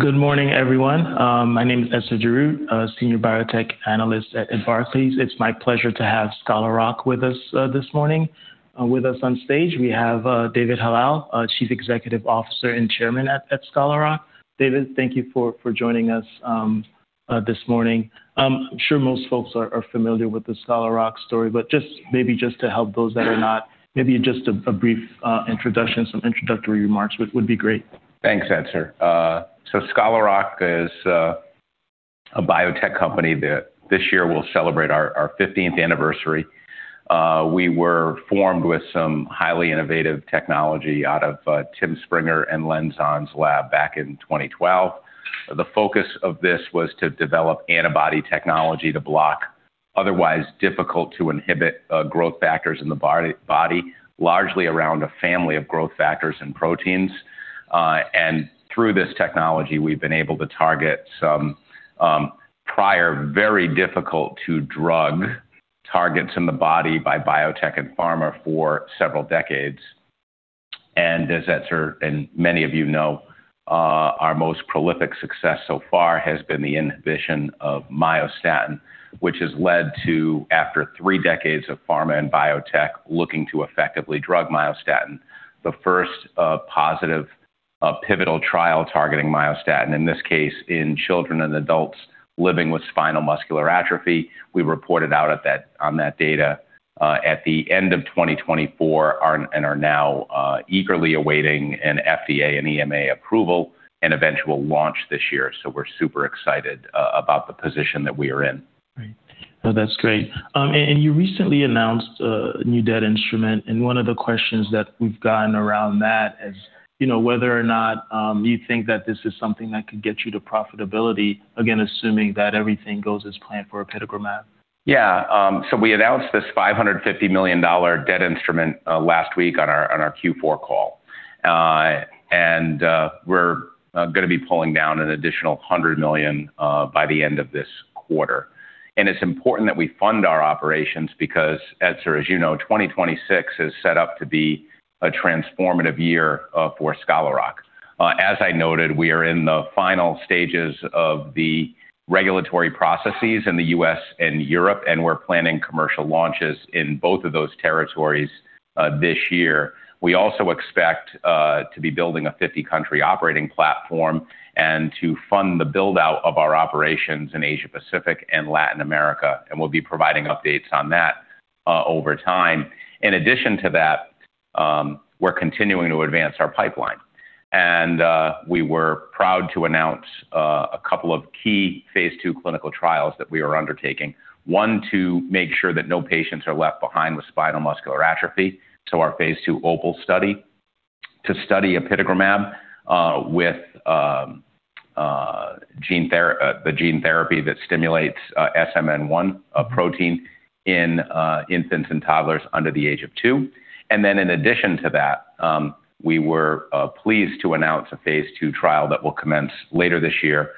Good morning, everyone. My name is Etzer Darout, a Senior Biotech Analyst at Barclays. It's my pleasure to have Scholar Rock with us this morning. With us on stage, we have David Hallal, our Chief Executive Officer and Chairman at Scholar Rock. David, thank you for joining us this morning. I'm sure most folks are familiar with the Scholar Rock story, but maybe just to help those that are not, maybe just a brief introduction, some introductory remarks would be great. Thanks, Etzer. Scholar Rock is a biotech company that this year will celebrate our fiftieth anniversary. We were formed with some highly innovative technology out of Tim Springer and Len Zon's lab back in 2012. The focus of this was to develop antibody technology to block otherwise difficult to inhibit growth factors in the body, largely around a family of growth factors and proteins. Through this technology, we've been able to target some prior very difficult to drug targets in the body by biotech and pharma for several decades. And as Etzer and many of you know, our most prolific success so far has been the inhibition of myostatin, which has led to, after three decades of pharma and biotech looking to effectively drug myostatin, the first positive pivotal trial targeting myostatin, in this case, in children and adults living with spinal muscular atrophy. We reported out on that data at the end of 2024, and are now eagerly awaiting an FDA and EMA approval and eventual launch this year. We're super excited about the position that we are in. Right. No, that's great. You recently announced a new debt instrument, and one of the questions that we've gotten around that is, you know, whether or not you think that this is something that could get you to profitability, again, assuming that everything goes as planned for apitegromab. Yeah, we announced this $550 million debt instrument last week on our Q4 call. We're gonna be pulling down an additional $100 million by the end of this quarter. It's important that we fund our operations because, Etzer, as you know, 2026 is set up to be a transformative year for Scholar Rock. As I noted, we are in the final stages of the regulatory processes in the U.S. and Europe, and we're planning commercial launches in both of those territories this year. We also expect to be building a 50-country operating platform and to fund the build-out of our operations in Asia-Pacific and Latin America, and we'll be providing updates on that over time. In addition to that, we're continuing to advance our pipeline. We were proud to announce a couple of key phase II clinical trials that we are undertaking. One, to make sure that no patients are left behind with spinal muscular atrophy, so our phase II OPAL study, to study apitegromab with the gene therapy that stimulates SMN1, a protein in infants and toddlers under the age of two. In addition to that, we were pleased to announce a phase II trial that will commence later this year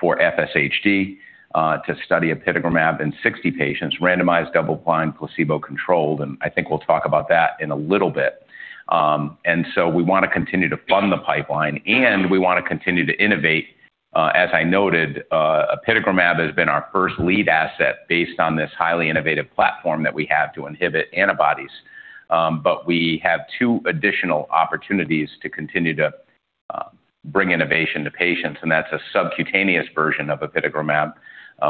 for FSHD to study apitegromab in 60 patients, randomized, double-blind, placebo-controlled, and I think we'll talk about that in a little bit. We wanna continue to fund the pipeline, and we wanna continue to innovate. As I noted, apitegromab has been our first lead asset based on this highly innovative platform that we have to inhibit antibodies. We have two additional opportunities to continue to bring innovation to patients, and that's a subcutaneous version of apitegromab,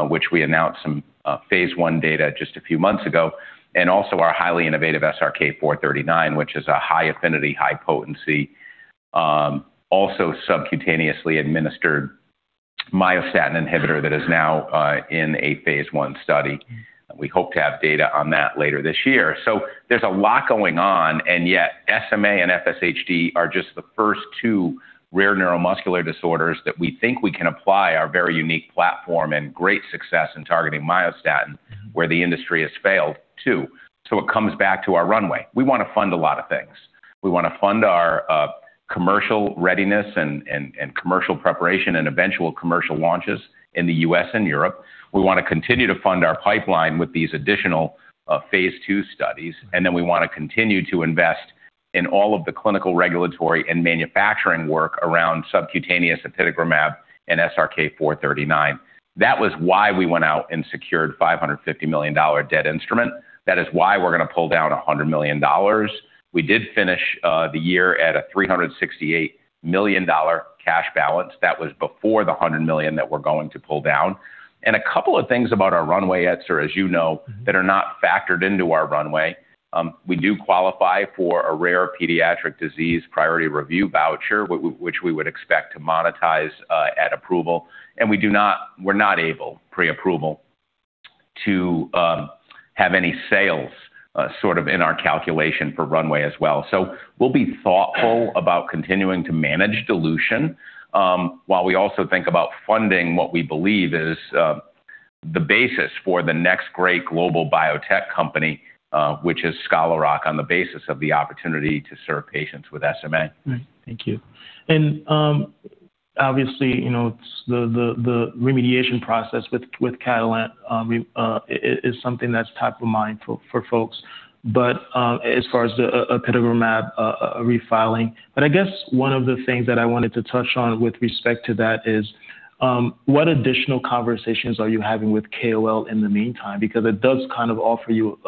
which we announced some phase I data just a few months ago. Also our highly innovative SRK-439, which is a high affinity, high potency, also subcutaneously administered myostatin inhibitor that is now in a phase I study. We hope to have data on that later this year. There's a lot going on, and yet SMA and FSHD are just the first two rare neuromuscular disorders that we think we can apply our very unique platform and great success in targeting myostatin, where the industry has failed too. It comes back to our runway. We wanna fund a lot of things. We wanna fund our commercial readiness and commercial preparation and eventual commercial launches in the U.S. and Europe. We wanna continue to fund our pipeline with these additional phase II studies, and then we wanna continue to invest in all of the clinical, regulatory, and manufacturing work around subcutaneous apitegromab and SRK-439. That was why we went out and secured $550 million debt instrument. That is why we're gonna pull down $100 million. We did finish the year at a $368 million cash balance. That was before the $100 million that we're going to pull down. A couple of things about our runway, Etzer, as you know. Mm-hmm. That are not factored into our runway. We do qualify for a rare pediatric disease priority review voucher, which we would expect to monetize at approval. We're not able, pre-approval, to have any sales sort of in our calculation for runway as well. We'll be thoughtful about continuing to manage dilution, while we also think about funding what we believe is the basis for the next great global biotech company, which is Scholar Rock, on the basis of the opportunity to serve patients with SMA. Right. Thank you. Obviously, you know, the remediation process with Catalent is something that's top of mind for folks. As far as the apitegromab refiling. I guess one of the things that I wanted to touch on with respect to that is what additional conversations are you having with KOL in the meantime? Because it does kind of offer you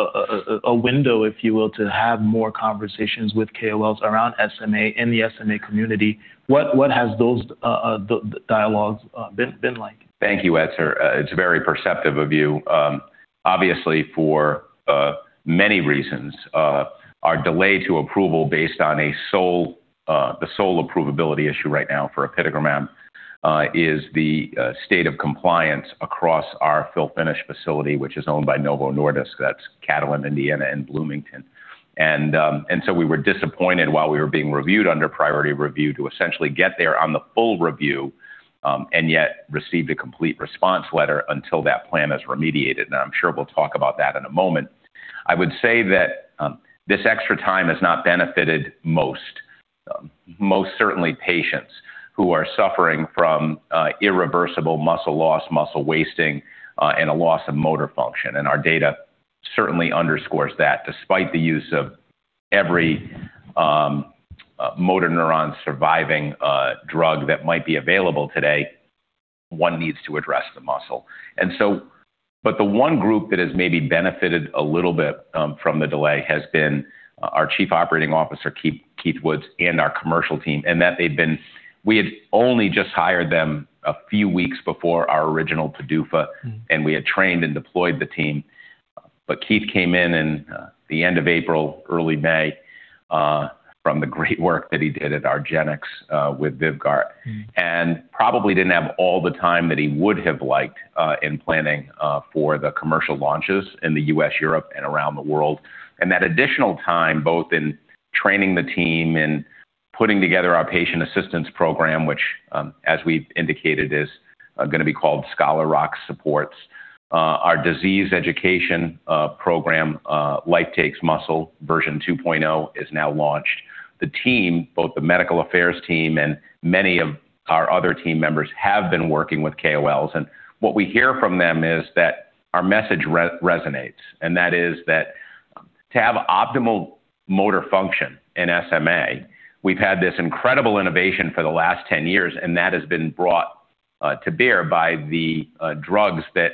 a window, if you will, to have more conversations with KOLs around SMA in the SMA community. What have those dialogues been like? Thank you, Etzer. It's very perceptive of you. Obviously, for many reasons, our delay to approval based on the sole approvability issue right now for apitegromab is the state of compliance across our fill finish facility, which is owned by Novo Nordisk. That's Catalent, Indiana, and Bloomington. We were disappointed while we were being reviewed under priority review to essentially get there on the full review and yet received a complete response letter until that plant is remediated. Now, I'm sure we'll talk about that in a moment. I would say that this extra time has not benefited most certainly patients who are suffering from irreversible muscle loss, muscle wasting, and a loss of motor function. Our data certainly underscores that despite the use of every motor neuron survival drug that might be available today, one needs to address the muscle. The one group that has maybe benefited a little bit from the delay has been our Chief Operating Officer, Keith Woods, and our commercial team, and that they've been. We had only just hired them a few weeks before our original PDUFA, and we had trained and deployed the team. Keith came in the end of April, early May, from the great work that he did at argenx with VYVGART. Mm-hmm. Probably didn't have all the time that he would have liked in planning for the commercial launches in the U.S., Europe, and around the world. That additional time, both in training the team and putting together our patient assistance program, which, as we've indicated, is gonna be called Scholar Rock Supports. Our disease education program, Life Takes Muscle version 2.0 is now launched. The team, both the medical affairs team and many of our other team members, have been working with KOLs, and what we hear from them is that our message resonates, and that is that to have optimal motor function in SMA, we've had this incredible innovation for the last 10 years, and that has been brought to bear by the drugs that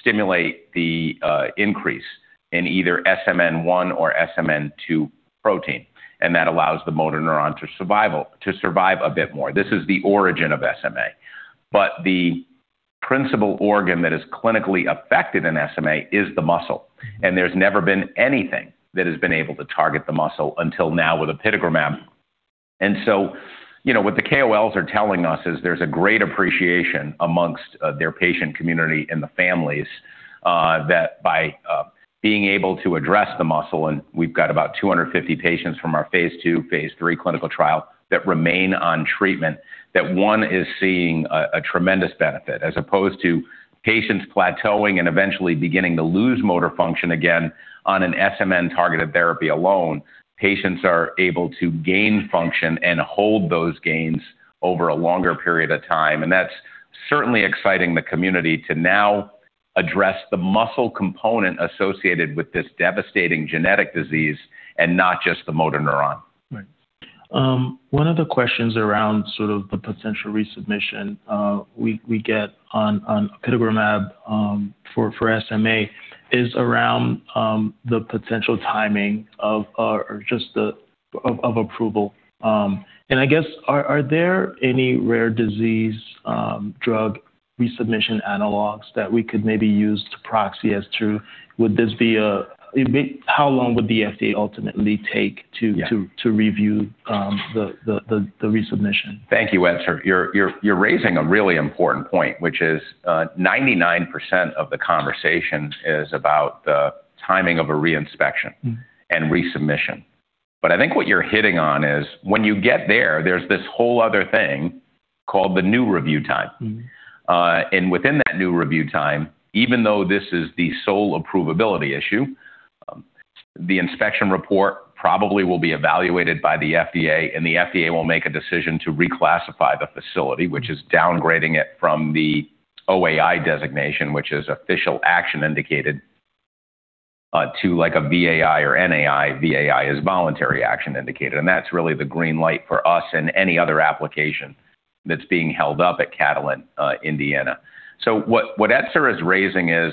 stimulate the increase in either SMN1 or SMN2 protein, and that allows the motor neuron to survive a bit more. This is the origin of SMA. The principal organ that is clinically affected in SMA is the muscle, and there's never been anything that has been able to target the muscle until now with apitegromab. You know, what the KOLs are telling us is there's a great appreciation amongst their patient community and the families that by being able to address the muscle, and we've got about 250 patients from our phase II, phase III clinical trial that remain on treatment, that one is seeing a tremendous benefit. As opposed to patients plateauing and eventually beginning to lose motor function again on an SMN-targeted therapy alone, patients are able to gain function and hold those gains over a longer period of time. That's certainly exciting the community to now address the muscle component associated with this devastating genetic disease and not just the motor neuron. One of the questions around sort of the potential resubmission we get on apitegromab for SMA is around the potential timing of approval. I guess, are there any rare disease drug resubmission analogs that we could maybe use to proxy as to would this be a How long would the FDA ultimately take to- Yeah. -to review the resubmission? Thank you, Etzer. You're raising a really important point, which is, 99% of the conversation is about the timing of a reinspection- Mm-hmm. -and resubmission. I think what you're hitting on is when you get there's this whole other thing called the new review time. Mm-hmm. Within that new review time, even though this is the sole approvability issue, the inspection report probably will be evaluated by the FDA, and the FDA will make a decision to reclassify the facility, which is downgrading it from the OAI designation, which is official action indicated, to like a VAI or NAI. VAI is voluntary action indicated. That's really the green light for us and any other application that's being held up at Catalent, Indiana. What Etzer is raising is,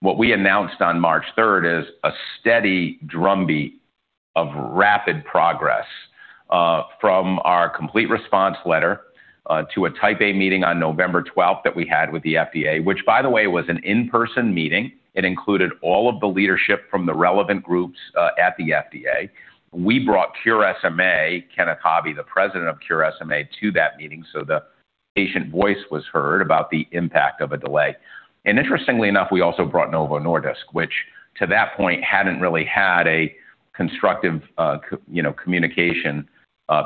what we announced on March third is a steady drumbeat of rapid progress, from our complete response letter, to a Type A meeting on November 12th that we had with the FDA, which by the way, was an in-person meeting. It included all of the leadership from the relevant groups, at the FDA. We brought Cure SMA, Kenneth Hobby, the President of Cure SMA, to that meeting so the patient voice was heard about the impact of a delay. Interestingly enough, we also brought Novo Nordisk, which to that point hadn't really had a constructive communication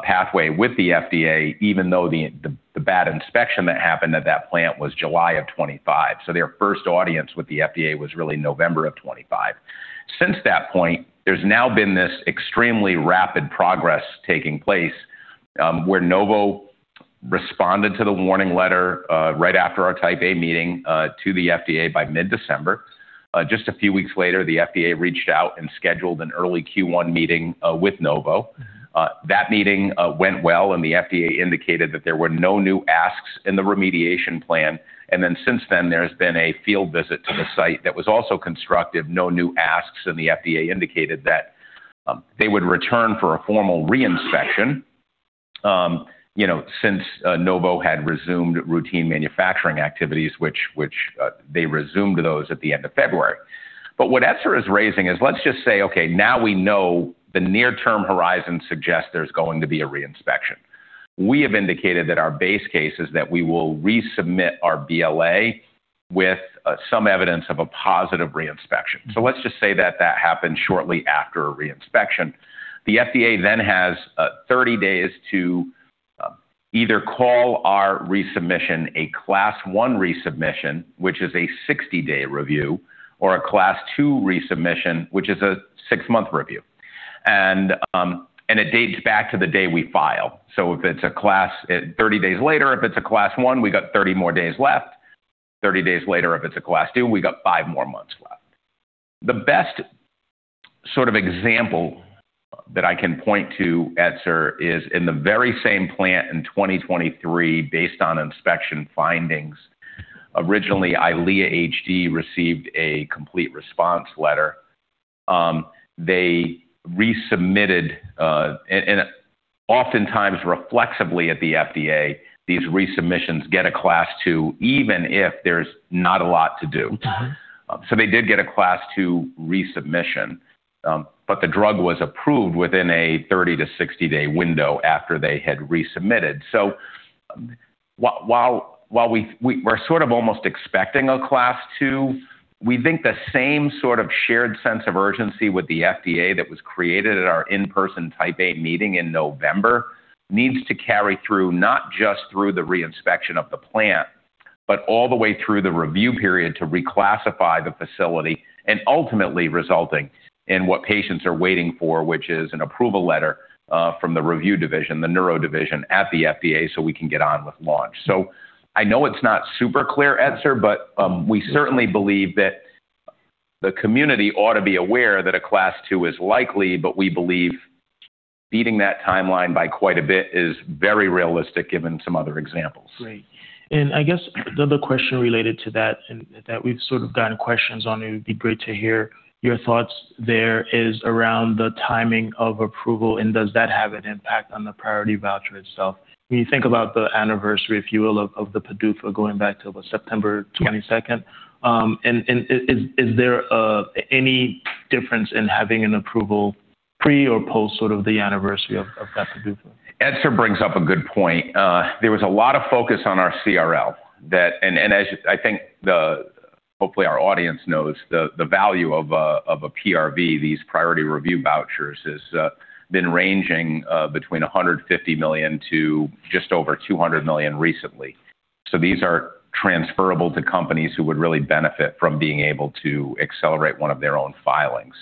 pathway with the FDA, even though the bad inspection that happened at that plant was July 2025. Their first audience with the FDA was really November 2025. Since that point, there's now been this extremely rapid progress taking place, where Novo responded to the warning letter right after our type A meeting to the FDA by mid-December. Just a few weeks later, the FDA reached out and scheduled an early Q1 meeting with Novo. That meeting went well, and the FDA indicated that there were no new asks in the remediation plan. Then since then, there's been a field visit to the site that was also constructive, no new asks, and the FDA indicated that they would return for a formal re-inspection. You know, since Novo had resumed routine manufacturing activities, which they resumed those at the end of February. But what Etzer is raising is let's just say, okay, now we know the near-term horizon suggests there's going to be a re-inspection. We have indicated that our base case is that we will resubmit our BLA with some evidence of a positive re-inspection. Let's just say that that happened shortly after a re-inspection. The FDA then has 30 days to either call our resubmission a Class 1 resubmission, which is a 60-day review, or a Class 2 resubmission, which is a six-month review. It dates back to the day we file. If it's a Class 1, 30 days later, if it's a Class 1, we got 30 more days left. 30 days later if it's a Class 2, we got five more months left. The best sort of example that I can point to, Etzer, is in the very same plant in 2023, based on inspection findings, originally EYLEA HD received a complete response letter. They resubmitted, and oftentimes reflexively at the FDA, these resubmissions get a Class 2, even if there's not a lot to do. Mm-hmm. They did get a Class 2 resubmission, but the drug was approved within a 30-60 day window after they had resubmitted. While we are sort of almost expecting a Class 2, we think the same sort of shared sense of urgency with the FDA that was created at our in-person Type A meeting in November needs to carry through, not just through the re-inspection of the plant, but all the way through the review period to reclassify the facility and ultimately resulting in what patients are waiting for, which is an approval letter from the review division, the neuro division at the FDA, so we can get on with launch. I know it's not super clear, Etzer, but we certainly believe that the community ought to be aware that a Class 2 is likely, but we believe beating that timeline by quite a bit is very realistic given some other examples. Great. I guess another question related to that we've sort of gotten questions on, it would be great to hear your thoughts there, is around the timing of approval and does that have an impact on the priority voucher itself? When you think about the anniversary, if you will, of the PDUFA going back to September 22, and is there any difference in having an approval pre or post sort of the anniversary of that PDUFA? Etzer brings up a good point. There was a lot of focus on our CRL. As I think, hopefully, our audience knows the value of a PRV, these priority review vouchers, has been ranging between $150 million and just over $200 million recently. These are transferable to companies who would really benefit from being able to accelerate one of their own filings.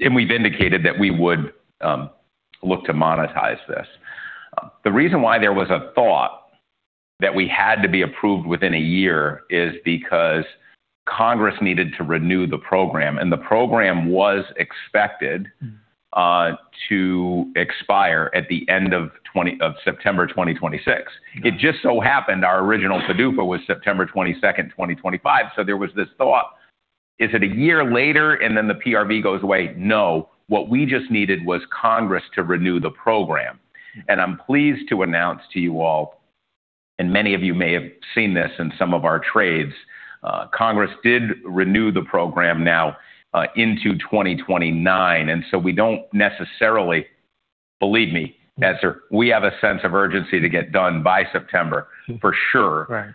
We've indicated that we would look to monetize this. The reason why there was a thought that we had to be approved within a year is because Congress needed to renew the program, and the program was expected to expire at the end of September 2026. It just so happened our original PDUFA was September 22, 2025. There was this thought, is it a year later and then the PRV goes away? No. What we just needed was Congress to renew the program. I'm pleased to announce to you all, and many of you may have seen this in some of our trades, Congress did renew the program now into 2029. We don't necessarily. Believe me, Etzer, we have a sense of urgency to get done by September for sure. Right.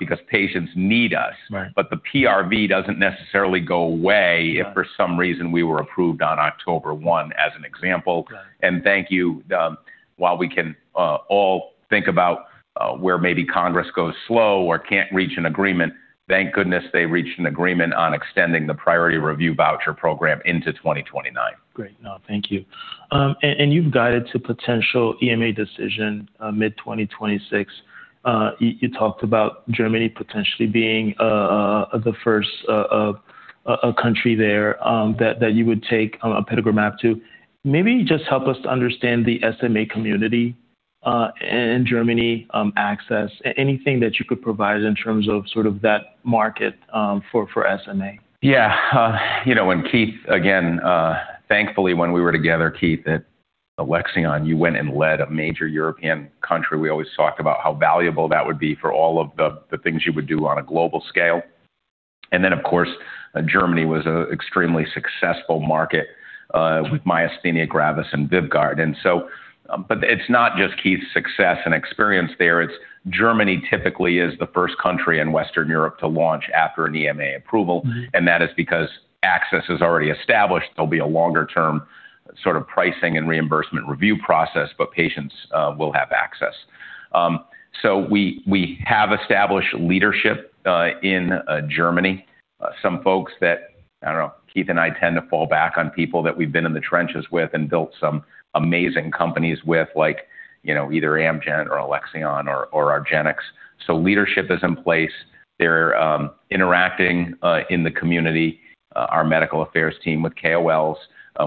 -because patients need us. Right. The PRV doesn't necessarily go away- Right. -if for some reason we were approved on October one, as an example. Right. Thank you. While we can all think about where maybe Congress goes slow or can't reach an agreement, thank goodness they reached an agreement on extending the priority review voucher program into 2029. Great. No, thank you. You've guided to potential EMA decision mid-2026. You talked about Germany potentially being the first country there that you would take apitegromab to. Maybe just help us to understand the SMA community in Germany access. Anything that you could provide in terms of sort of that market for SMA. Yeah. You know, Keith, again, thankfully, when we were together, Keith, at Alexion, you went and led a major European country. We always talked about how valuable that would be for all of the things you would do on a global scale. Of course, Germany was an extremely successful market with myasthenia gravis and VYVGART. It's not just Keith's success and experience there. It's Germany typically is the first country in Western Europe to launch after an EMA approval. That is because access is already established. There'll be a longer-term sort of pricing and reimbursement review process, but patients will have access. We have established leadership in Germany. Keith and I tend to fall back on people that we've been in the trenches with and built some amazing companies with, like, you know, either Amgen or Alexion or argenx. Leadership is in place. They're interacting in the community, our medical affairs team, with KOLs.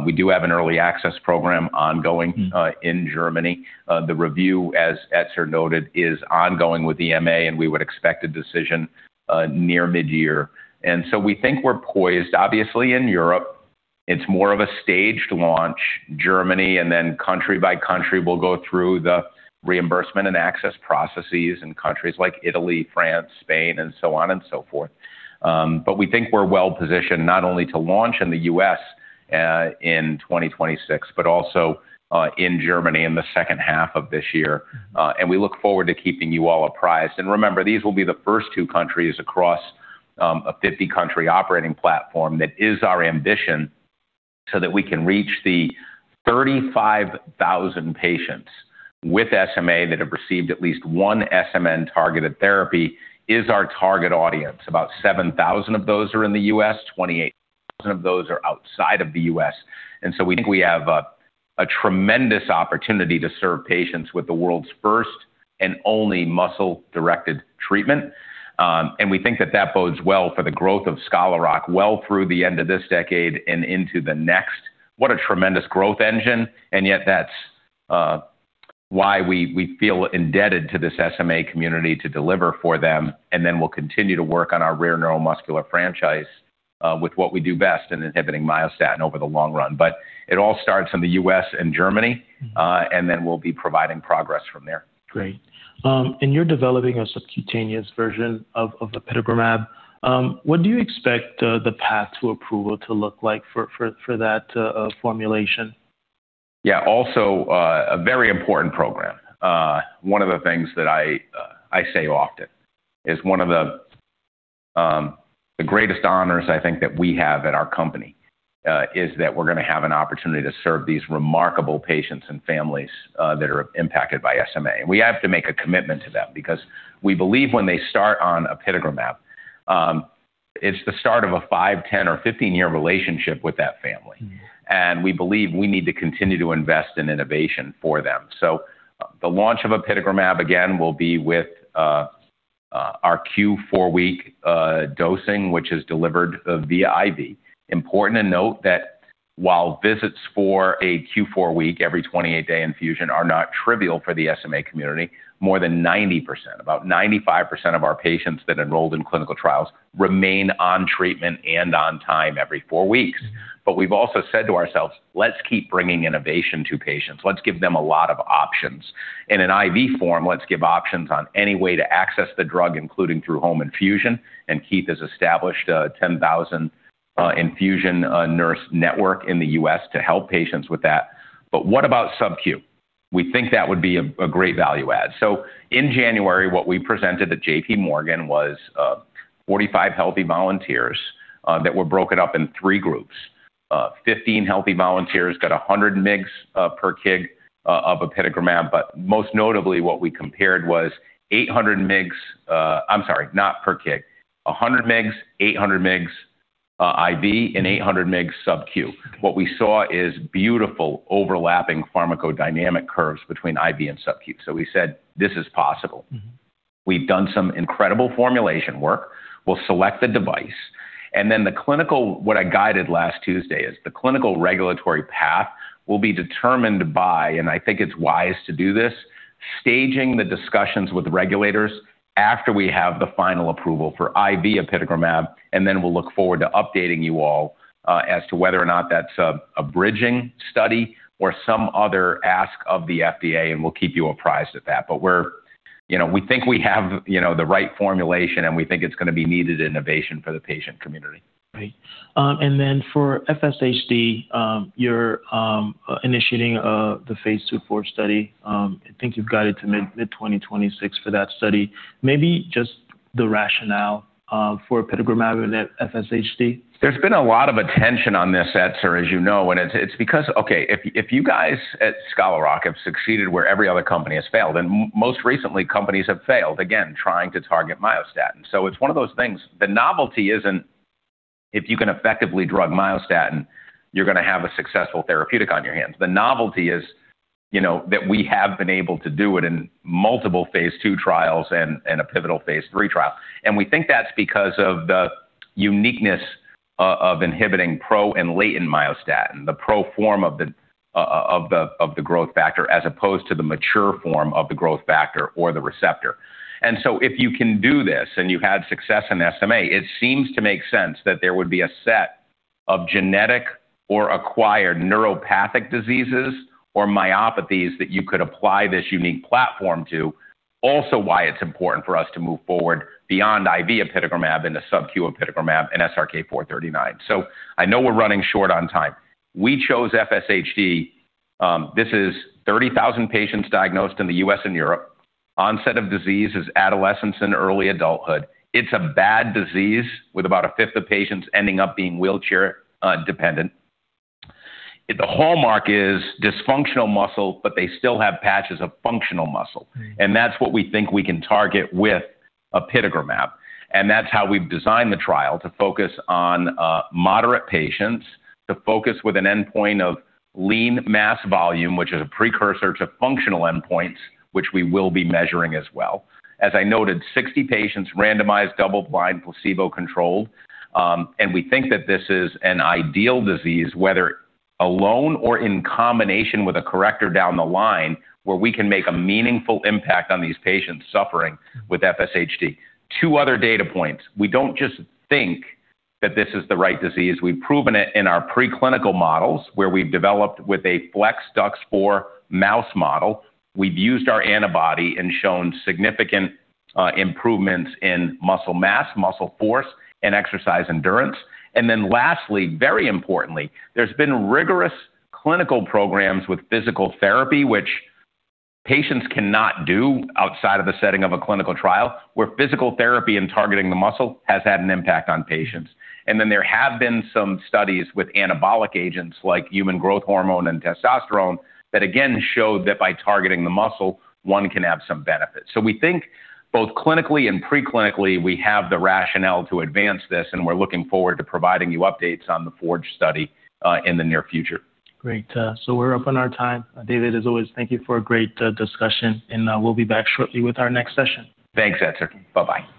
We do have an early access program ongoing in Germany. The review, as Etzer noted, is ongoing with EMA, and we would expect a decision near mid-year. We think we're poised obviously in Europe. It's more of a staged launch, Germany and then country by country. We'll go through the reimbursement and access processes in countries like Italy, France, Spain, and so on and so forth. We think we're well-positioned not only to launch in the U.S. in 2026, but also in Germany in the second half of this year. We look forward to keeping you all apprised. Remember, these will be the first two countries across a 50-country operating platform. That is our ambition so that we can reach the 35,000 patients with SMA that have received at least one SMN targeted therapy, is our target audience. About 7,000 of those are in the U.S., 28,000 of those are outside of the U.S.. We think we have a tremendous opportunity to serve patients with the world's first and only muscle-directed treatment. We think that bodes well for the growth of Scholar Rock through the end of this decade and into the next. What a tremendous growth engine, yet that's why we feel indebted to this SMA community to deliver for them. We'll continue to work on our rare neuromuscular franchise with what we do best in inhibiting myostatin over the long run. It all starts in the U.S. and Germany. We'll be providing progress from there. Great. You're developing a subcutaneous version of apitegromab. What do you expect the path to approval to look like for that formulation? Yeah. Also, a very important program. One of the things that I say often is one of the greatest honors I think that we have at our company is that we're gonna have an opportunity to serve these remarkable patients and families that are impacted by SMA. We have to make a commitment to them because we believe when they start on apitegromab, it's the start of a 5, 10, or 15-year relationship with that family. We believe we need to continue to invest in innovation for them. The launch of apitegromab, again, will be with our Q4W dosing, which is delivered via IV. Important to note that while visits for a Q4W every 28-day infusion are not trivial for the SMA community, more than 90%, about 95% of our patients that enrolled in clinical trials remain on treatment and on time every four weeks. We've also said to ourselves, "Let's keep bringing innovation to patients. Let's give them a lot of options. In an IV form, let's give options on any way to access the drug, including through home infusion." Keith has established a 10,000 infusion nurse network in the U.S. to help patients with that. What about subQ? We think that would be a great value add. In January, what we presented at JPMorgan was 45 healthy volunteers that were broken up in three groups. Fifteen healthy volunteers got 100 mgs per kg of apitegromab. Most notably, what we compared was 800 mgs. Not per kg. 100 mgs, 800 mgs IV, and 800 mgs subQ. What we saw is beautiful overlapping pharmacodynamic curves between IV and subQ. We said, "This is possible." We've done some incredible formulation work. We'll select the device, and then what I guided last Tuesday is the clinical regulatory path will be determined by, and I think it's wise to do this, staging the discussions with regulators after we have the final approval for IV apitegromab, and then we'll look forward to updating you all as to whether or not that's a bridging study or some other ask of the FDA, and we'll keep you apprised of that. We're, you know, we think we have, you know, the right formulation, and we think it's gonna be needed innovation for the patient community. Right. For FSHD, you're initiating the phase II FORGE study. I think you've got it to mid-2026 for that study. Maybe just the rationale for apitegromab with FSHD. There's been a lot of attention on this, Etzer, as you know, and it's because, okay, if you guys at Scholar Rock have succeeded where every other company has failed, and most recently, companies have failed, again, trying to target myostatin. It's one of those things. The novelty isn't if you can effectively drug myostatin, you're gonna have a successful therapeutic on your hands. The novelty is, you know, that we have been able to do it in multiple phase II trials and a pivotal phase III trial. We think that's because of the uniqueness of inhibiting pro and latent myostatin, the pro form of the growth factor as opposed to the mature form of the growth factor or the receptor. If you can do this and you had success in SMA, it seems to make sense that there would be a set of genetic or acquired neuropathic diseases or myopathies that you could apply this unique platform to. Also, why it's important for us to move forward beyond IV apitegromab and the subQ apitegromab and SRK-439. I know we're running short on time. We chose FSHD. This is 30,000 patients diagnosed in the U.S. and Europe. Onset of disease is adolescence and early adulthood. It's a bad disease with about a fifth of patients ending up being wheelchair dependent. The hallmark is dysfunctional muscle, but they still have patches of functional muscle. Mm-hmm. That's what we think we can target with apitegromab, and that's how we've designed the trial to focus on moderate patients, to focus with an endpoint of lean mass volume, which is a precursor to functional endpoints, which we will be measuring as well. As I noted, 60 patients randomized, double-blind, placebo-controlled. We think that this is an ideal disease, whether alone or in combination with a corrector down the line, where we can make a meaningful impact on these patients suffering with FSHD. Two other data points. We don't just think that this is the right disease. We've proven it in our preclinical models, where we've developed with a FLExDUX4 mouse model. We've used our antibody and shown significant improvements in muscle mass, muscle force, and exercise endurance. Lastly, very importantly, there's been rigorous clinical programs with physical therapy, which patients cannot do outside of the setting of a clinical trial, where physical therapy and targeting the muscle has had an impact on patients. There have been some studies with anabolic agents like human growth hormone and testosterone that again showed that by targeting the muscle, one can have some benefit. We think both clinically and preclinically, we have the rationale to advance this, and we're looking forward to providing you updates on the FORGE study in the near future. Great. We're up on our time. David, as always, thank you for a great discussion and we'll be back shortly with our next session. Thanks, Etzer. Bye-bye.